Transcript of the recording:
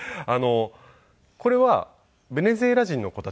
これはベネズエラ人の子たちなんですよね。